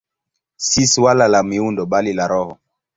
Si suala la miundo, bali la roho.